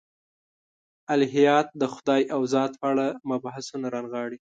الهیات د خدای د ذات په اړه مبحثونه رانغاړي.